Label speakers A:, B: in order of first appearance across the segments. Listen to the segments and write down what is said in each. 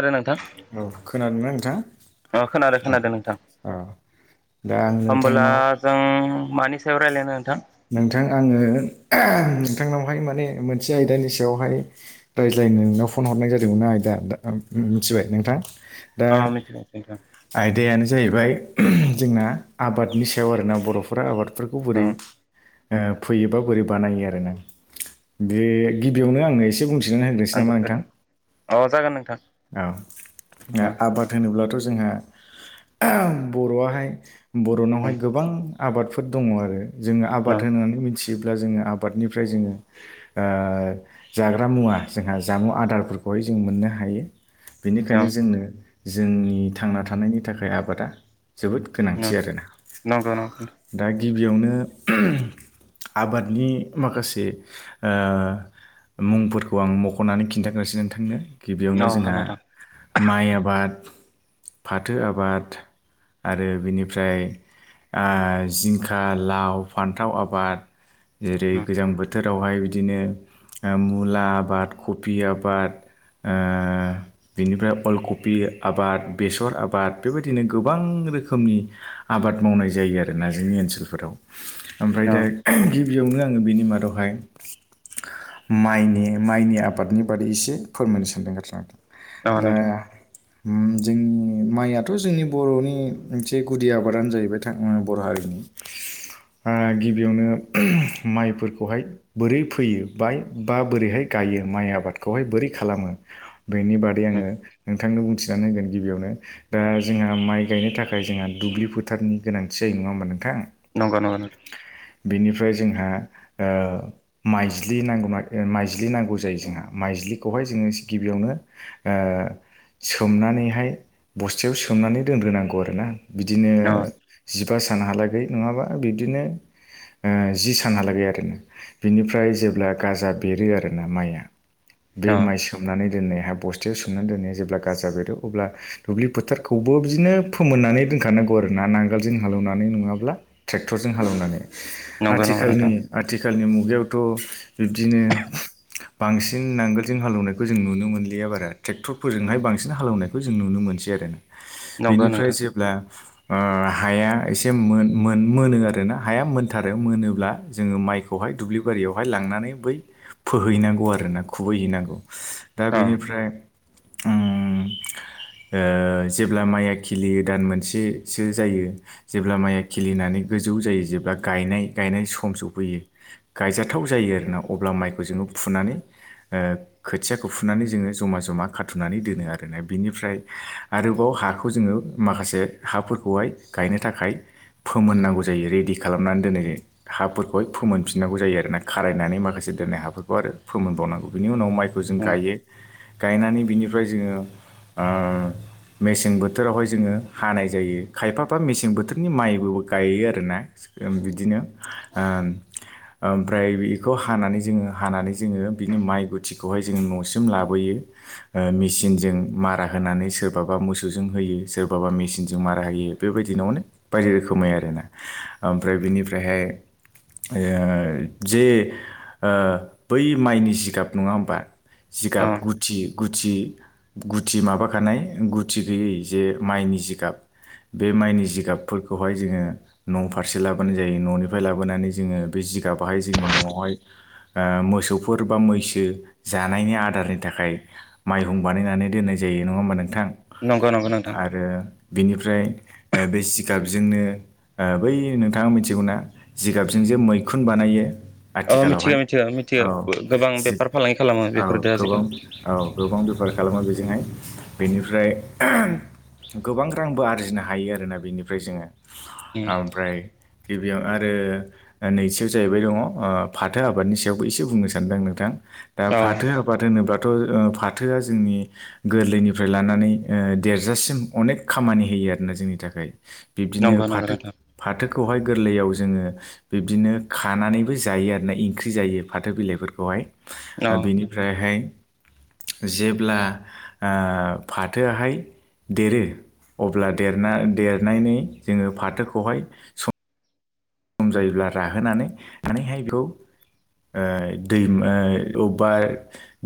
A: खोनादों नोंथां
B: औ खोनादो ना नोंथां?
A: खोनादों
B: औ
A: खोनादों नोंथां।
B: औ दा आं
A: होमब्ला
B: नोंथांनाव
A: जों मानि सायाव रायलायनो नोंथां?
B: नोंथां आंङो नोंथांनावहाय माने मोनसे आयदानि सायावहाय रायज्लाय नो नोंनाव फन हरनाय जादोंमोन आयदा ओम उम्म मिथिबाय नोंथां। दा
A: अ मिथिबाय नोंथां
B: आयदायानो जाहैबाय जोंना आबादनि सायाव आरोना बर'फोरा आबादफोरखौ बोरै
A: उम
B: ओ फैयोबा बोरै बानायो आरोना बे गिबियावनो आंङो एसे बुं [unintelligible] होग्रोसै नामा नोंथां?
A: आनजाद अ जागोन नोंथां
B: औ दा
A: उम
B: आबाद होनोब्लाथ' जोंहा बर'आहाय
A: उम
B: बर'नावहाय गोबां आबादफोर दङ आरो जोङो
A: उम
B: आबाद होननानै मिथि योब्ला जोङो आबादनिफ्राय जोङो ओ जाग्रा मुवा जोंहा जामुं आदारफोरखौ बेवहाय जों मोननो हायो। बेनिखायनो जोंनो जोंनि थांना थानायनि थाखाय आबादा जोबोद गोनांथि
A: उम
B: आरोना
A: नंगौ नंगौ अ नोंथां
B: दा गिबियावनो आबादनि माखासे ओ मुंफोरखौ आं मख'नानै खिन्थागासिनो नोंथांनो
A: उम
B: गिबियावनो जोंहा
A: उम अ नोंथां
B: माइ आबाद, फाथो आबाद आरो बिनिफ्राय ओ जिंखा, लाव फान्थाव आबाद जेरै गोजां बोथोर आवहाय बिदिनो मुला आबाद, कबि आबाद ओ बिनिफ्राय अलकपि आबाद, बेसर आबाद बेबादिनो गोबां रोखोमनि आबाद मावनाय जायो आरोना जोंनि ओनसोलफोराव ओमफ्राय दा
A: उम
B: गि बियावनो आंङो बिनि मादावहाय माइनि माइनि आबादनि बारै एसे फोरमायनो सान्दों आरोना नोंथां। दा उम्म जोंनि माइयाथ' जोंनि बर'नि मोनसे गुदि आबादानो जाहैबाय था उम्म बर' हारिनि आ गिबियावनो माइफोरखौहाय बोरै फैयो बाय बा बोरैहाय गायो माइ आबादखौहाय बोरै खालामो बेनि बादै आंङो नोंथांनो बुंथिनानै होगोन गिबियावनो दा जोंहा माइ गायनो थाखाय जोंहा दुब्लि फोथारनि गोनांथि जायो नों नङा होमबा नोंथां?
A: नंगौ नंगौ।
B: बेनिफ्राय जोंहा ओ माइज्लि नांगौना माइज्लि नांगौ जायो जोंहा माइ ज्लिखौहाय जोङो गिबियावनो ओ सोमनानैहाय बस्थायाव सोमनानै दोनग्रोनांगौ आरोना। बिदिनो
A: अ
B: जिबा सानहालागै नङाबा बिब्दिनो ओ जि सानहालागै आरोना बिनिफ्राय जेब्ला गाजा बेरो आरोना माइया बे
A: अ
B: माइ सोमनानै दोननाया आहा बस्थायाव सोमनानै दोननाया जेब्ला गाजा बेरो अब्ला दुब्लि फोथारखौबो बिदिनो फोमोननानै दोनखानां गौ आरो ना नांगोलजों हालौवनानै नङाब्ला ट्रेक क्टरजों हालेवनानै
A: नंगौ नंगौ
B: आथिखालनि
A: नोंथां
B: आथि खालनि मुगायावथ' बिब्दिनो बांसिन नांगोलजों हालौनायखौ जों नुनो मोनलिया बारा ट्रेक्टरफोरजोंहाय बांसिन हालेवनायखौ जों नुनो मोनसै आरो ना।
A: नंगौ
B: बेनिफ्राय
A: नोंथां
B: जेब्ला ओ हाया एसे मोन मोन मोनो आरोना हाया मोनथारो मोनोब्ला जोङो माइखौहाय दुब्लि बारियावहाय लांनानै बै फोहैनांगौ आरोना खुबैहैनांगौ दा
A: अ
B: बेनिफ्राय उम्म ओ जेब्ला माइया खिलियो दान मोनसेसो जायो जेब्ला माइया खिलिनानै गोजौ जायो जेब्ला गायनाय गायनाय सम सफैयो गायजाथाव जायो आरोना अब्ला माइखौ जोङो फुनानै ओ खोथियाखौ फुनानै जोङो जमा जमा खाथुनानै दोनो आरोना बेनिफ्राय आरोबाव हाखौ जोङो माखासे हाफोरखौहाय गायनो थाखाय फोमोननांगौ जायो रेडि खालामनानै दोननाय जायो हाफोरखौहाय फोमोनफिननांगौ जायो आरोना, खारायनानै माखासे दोननाय हाफोरखौ आरो फोमोनबावनांगौ बिनि उनाव माइखौ जों
A: उम
B: गायो गायनानै बिनिफ्राय जोङो ओ मेसें बोथोरावहाय जोङो हानाय जायो खायफाफा मेसें बोथोरनि माइबो गायो आरो ना उम बिदिनो ओ ओमफ्राय बेखौ हानानै जोङो हानानै जोङो बिनि माइ गुथिखौहाय जोङो न'सिम लाबोयो। ओ मेसिनजों मारा होनानै सोरबाबा मोसौजों होयो सोरबाबा मेसिनजों मारा होयो ए बेबायदिनो अनेक बायदि रोखोमै आरोना। ओमफ्राय बिनिफ्रायहाय ओ जे ओ बै माइनि जिगाब नङा होमबा?
A: अ
B: जिगाब गुथि गुथि गुथि माबाखानाय गुथि गैयै जे माइनि जिगाब बे माइनि जिगाबफोरखौहाय जोङो न' फारसे लाबोनाय जायो। न'निफ्राय लाबोनानै जोङो बे जिगाबहाय जोंनि न'आवहाय ओ मोसौफोर बा मैसो जानायनि आदारनि थाखाय माइहुं बानायनानै दोननाय जायो। नङा होनबा नोंथां?
A: नंगौ नंगौ नोंथां
B: आरो बिनिफ्राय ओ बे सिगाबजोंनो ओ बै नोंथाङा मिथिगौना जिगाबजों जे मैखुन बानायो
A: अ मिथिगौ
B: आथिखालावहाय?
A: मिथिगौ मिथिगौ
B: औ
A: गोबां
B: जि
A: बेफार फालांगि खालामो
B: औ
A: बेफोरदो
B: गोबां
A: आजिखालि
B: औ गोबां बेफार खालामो बेजोंहाय। बेनिफ्राय गोबां रांबो आरजिनो हायो आरोना बेनिफ्राय जोङो।
A: उम
B: ओमफ्राय गिबियाव आरो नैथियाव जाहैबाय दङ ओ फाथो आबादनि सायावबो एसे बुंनो सानदों आं नोंथां। दा
A: अ
B: फाथो आबाद होनोबा थ' फाथोआ जोंनि गोरलैनिफ्राय लानानै ओ देरजासिम अनेक खामानि होयो आरोना जोंनि थाखाय। बिब्दिनो
A: नंगौ नंगौ
B: फाथो
A: नोंथां
B: फाथोखौहाय गोरलैयाव जोङो बिब्दिनो खानानैबो जायो आरोना ओंख्रि जायो फाथो बिलाइ
A: अ
B: फोरखौहाय। बेनिफ्रायहाय जेब्ला ओ फाथोआहाय देरो अब्ला देरना देरनानै जोङो फाथोखौहाय सम जायोब्ला राहोनानै मानेहाय बेखौ ओ दै ओ अबेबा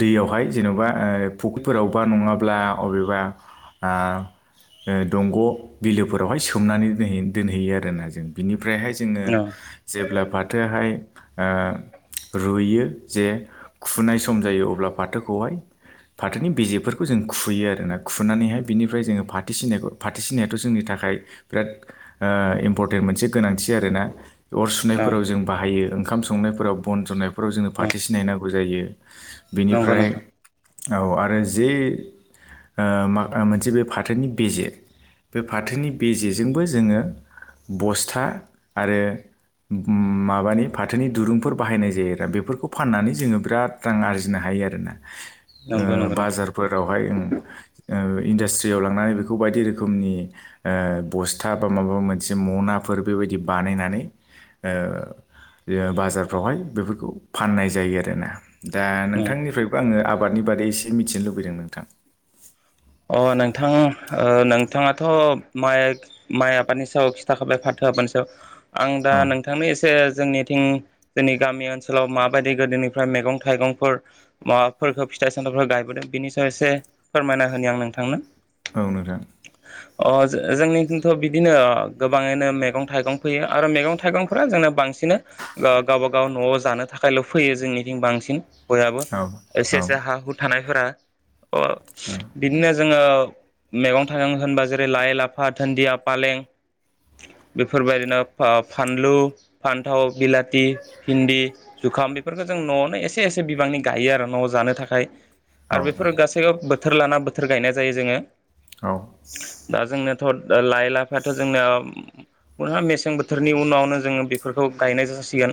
B: दैयावहाय जेन'बा ओ फुख्रिफोराव बा नङाब्ला अबेबा ओ ओ दंग' बिलोफोरावहाय सोमनानै दोनहै दोनहैयो आरोना जों। बिनिफ्रायहाय जोङो
A: अ
B: जेब्ला फाथोआहाय ओ रुइयो जे खुनाय सम जायो अब्ला फाथोखौहाय फाथोनि बेजेफोरखौ जों खुयो आरो ना। खुनानैहाय बिनिफ्राय जोङो फाथोसिनायखौ फाथो सिननायाथ' जोंनि था खाय बिराद ओ इम्परटेन्ट मोनसे गोनां थि आरोना अर सुनायफोराव जों बाहायो ओंखाम संनायाव बन जन्नाय फोराव जोङो
A: अ
B: फाथोसिना नांगौ जायो।
A: नंगौ
B: बेनिफ्राय
A: नोंथां
B: औ आरो जे ओ माबा मोनसे बे फाथोनि बेेजे बे फाथोनि बे जेजोंबो जोङो बस्था आरो ओम माबानि फाथोनि दुरुंफोर बाहायनाय जायोना बेफोरखौ फाननानै जोङो बिराद रां आरजिनो हायो आरोना। ओ
A: नंगौ नंगौ नोंथां
B: बाजारफोरावहाय ओम ओ इन्डासट्रियाव लांनानै बेखौ बायदि रोखोमनि ओ बस्था बा माबा मोनसे मनाफोर बेबायदि बानायनानै ओ बाजारफ्रावहाय बेफोरखौ फाननाय जायो आरोना। दा नोंथांनिफ्रायबो आङो आबादनि बारै एसे मिथिनो लुबैदों नोंथां।
A: अ नोंथां ओ नोंथाङाथ' माइ माइ आबादनि सायाव खिथाखाबाय फाथो आबादनि सायाव आं दा
B: औ
A: नोंथांनि एसे जोंनिथिं जोंनि गामि ओनसोलाव माबायदि गोदोनिफ्राय मैगं थाइगंफोर माबाफोरखौ फिथाइ सामथाइफोर गायबोदों बेनि सायाव एसे फोरमायना होनो आं नोंथांनो।
B: औ नोंथां।
A: अ जो-जोंनिथ' बिदिनो गोबाङैनो मैगं थाइगं फैयो आरो मैगं थाइगंफोरा जोंनो बांसि सिनो गा-गावबा गाव न'आव जानो थाखायल' फैयो जोंनिथिं बांसिन बयहाबो
B: औ औ
A: एसे एसे हा हु थानायफोरा अह जोङो मैगं थाइगं होनबा जेरै लाइ लाफा दुन्दिया फालें बेफोरबायदिनो फा-फानलु, फान्थाव, बिलाथि, भिन्दि जुखाम बेफोरखौ जों न'आवनो एसे एसे बिबांनि गायो आरो न'आव जानो थाखाय।
B: औ
A: आरो बेफोर
B: नोंथां
A: गासैबो बोथोर लाना बोथोर गायनाय जायो जोङो।
B: औ
A: थद ओ लाइ लाफायाथ' जोंना मोनो मेसें बोथोरनि उनावनो जोङो बेफोरखौ गायनाय जासिगोन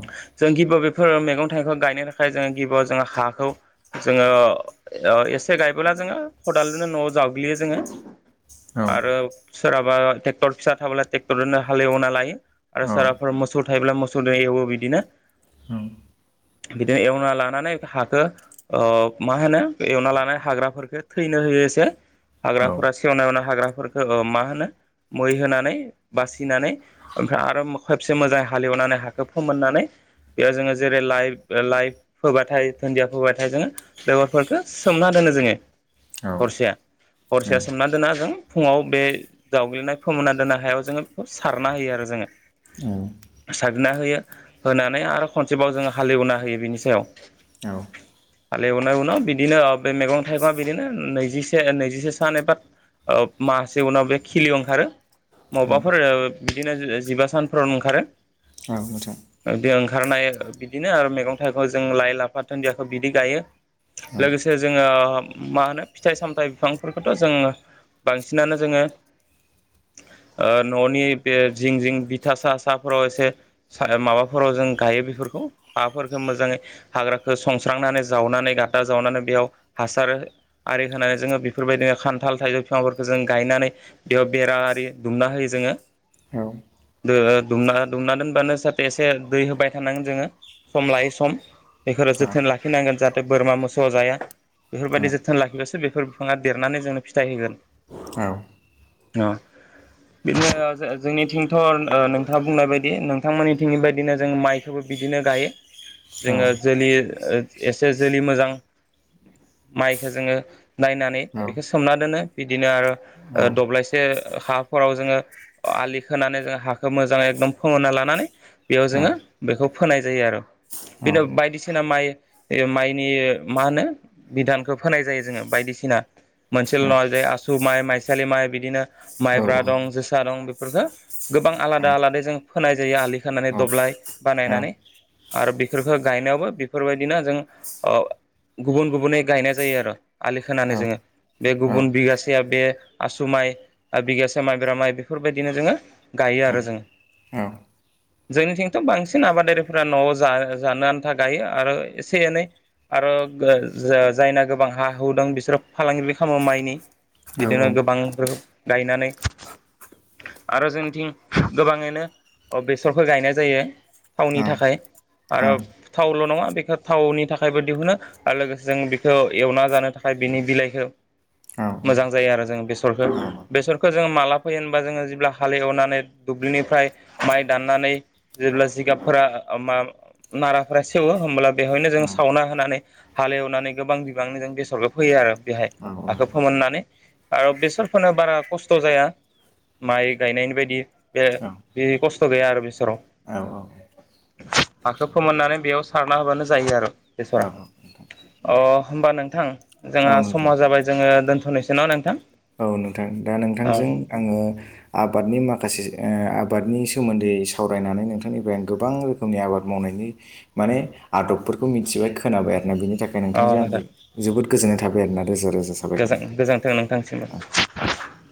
B: औ
A: जों गिबियाव बि फोर मैगं थाइगंखौ गायनो थाखाय जोङो गिबियाव जोङो हाखौ जोङो ओ एसे गायबोला जोङो खदालजोंनो न'आव जावग्लियो जोङो
B: औ नोंथां
A: आरो सोरहाबा ट्रेक्टर फिसा थाब्ला ट्रेक्टरनो हालेवना लायो आरो
B: औ
A: सोरहाफोर मोसौ थायोब्ला मोसौजों एवो बिदिनो
B: औ
A: बिदिनो एवना लानानै हाखौ ओ मा होनो एवना लानाय हाग्राफोरखो थैनो होयो एसे हाग्राफोरा सेवना एवनाय हाग्रा फोरखौ ओ मा होनो मै होनानै बासिनानै ओमफ्राय आरो खेबसे मोजाङै हालेवनानै हाखौ फोमोननानै बेयाव जोङो जेरै लाइ ओ लाइ फोबाथाय दुन्दिया फोबाथाय जोङो बेगरफोर खो सोमना दोनो जोङो हरसेया हरसेया सोमना दोना जों फुङाव बे जावग्लिनाय फोमोनना दोननाय हायाव जोङो बेखौ सारना होयो आरो जोङो
B: औ
A: ना होयो होनानै आरो खनसेबाव जोङो हालेवना होयो बिनि सायाव
B: औ
A: हाल एवनाय उनाव बिदिनो ओ बे मैगं थाइगङा बिदिनो नैजिसे नैजिसे सान एबा ओ मासे उनाव बे खिलियाव ओंखारो मावबाफोर ओ बिदिनो जिबा सानफोरावनो ओंखारो
B: औ नोंथां
A: बे ओंखारनाय बिदिनो आरो मैगं थाइगं जों लाइ लाफा दुन्दियाखौ बिदि गायो लोगोसे जोङो मा होनो फिथाइ सामथाइ बिफांफोरखौथ' जोङो बांसिनानो जोङो
B: [inaudible]
A: ओ न'नि बे जिं जिं बिथा सा साफोराव एसे माबाफोराव जों गायो बेफो फोरखौ हाफोरखौ मोजाङै हाग्राखौ संस्रांनानै जावनानै गा दा जावनानै बेयाव हासार आरि होनानै जोङो बेफोरबायदिनो खान्थाल थाइजौ बिफांफोरखौ जों गायनानै बेयाव बेरा आरि दुमना होयो जोङो
B: औ
A: दो दुमना दुमना दोनबानो जाहाथे एसे दै होबाय थानांगोन जोङो सम लायै सम बेखो रो
B: औ
A: जोथोन लाफिननांगोन जाहाथे बोरमा मोस सौ जाया
B: औ
A: बेफोरबायदि जोथोन लाखिबासो बेफोर बिफाङा देरनानै जोंनो फिथाइ होगोन
B: औ
A: अ बिदिनो ओ जो-जोंनिथिंथ' ओ नोंथाङा बुंनाय बायदि नोंथांमोननि थिंनि बायदिनो जों माइखौबो बिदिनो गायो जोङो जोलि एसे जोलि मोजां
B: [inaudible]
A: माइखौ जोङो नायनानै बेखौ सोमना दोनो बिदिनो आरो ओ दब्लायसे हाफोराव जोङो आलि खोनानै जों हाखौ मोजाङै एकदम फोमोनना लानानै बेयाव जोङो बेखौ फोनाय जायो आरो। बिनो बायदिसिना माइ माइनि मा होनो बिधानखौ फोनाय जायो जोङो बायदिसिना मोनसेल' नङा जे आसु माइ, माइसालि माइ बिदिनो माइब्रा दं जोसा दं बेफोरखो गोबां आलादा आलादायै जों फोनाय जायो आलि खोनानै दब्लाइ बानायनानै आरो बेफोरखौ गायनायावबो बेफोरबायदिनो जों ओ गुबुन गुबुनै गायनाय जायो आरो आलि खोनानै जोङो। बे गुबुन बिगासेया बे आसु माइ बिगासे माइब्रा माइ बेफोरबायदिनो जोङो गा गायो आरो जों।
B: औ।
A: जोंनिथिंथ' बांसिन आबादारिफ्रा न'आव जा जानो आन्था गायो आरो एसे एनै आरो ओ जो-जायना गोबां हा हु दं बिसोरो फालांगिबो खालामो माइनि बिदिनो गोबां रोखोम गायनानै आरो जोंथिं गोबाङैनो अ बेसरखौ गायनाय जायो। थावनि थाखाय आरो थावल' नङा बेखौ थावनि थाखायबो दिहुनो आरो लोगोसे जों बेखौ एवना जानो थाखाय बिनि बिलाइखौ मोजां जायो आरो जों बेसरखौ, बेसरखौ जोङो माला फोयो होनबा जोङो जेब्ला हाल एवनानै दु ब्लिनिफ्राय माइ दाननानै जेब्ला जिगाबफोरा ओ मा नाराफ्रा सेवो होमब्ला बेवहायनो जों सावना हो नानै हाल एवनानै गोबां बिबांनिजों बेसरखौ फैयो आरो बेहाय हाखौ
B: औ
A: फोमोननानै आरो बेसर फोनो बारा खस्थ' जाया। माइ गायनायनि बायदि बे
B: औ औ
A: बि खस्थ' गैया आरो बेसरआव। हाखौ फोमोननानै बेयाव सारना होबानो जायो आरो। बेसरआ।
B: नोंथां
A: अह होमबा नोंथां जोंहा समा जाबाय जोङो दोनथ'नो सै न' नोंथां?
B: औ नोंथां दा नोंथांजों
A: औ
B: आङो आबादनि माखासे ओ आ बादनि सोमोन्दै सावरायनानै नोंथांनिफ्राय गोबां रोखोमनि आबाद मावनायनि माने आदब फोरखौ मिथिबाय खोनाबाय आरो ना बि नि थाखाय
A: औ
B: नोंथांजों आंबो
A: नोंथां
B: जोबोद गोजोननाय थाबाय आरो ना रोजा रोजा साबायखर
A: गोजां
B: नोंथां।
A: [unintelligible]